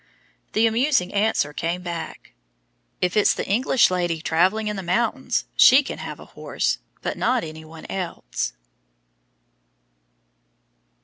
The amusing answer came back, "If it's the English lady traveling in the mountains, she can have a horse, but not any one else."